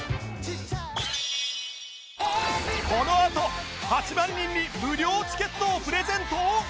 このあと８万人に無料チケットをプレゼント！？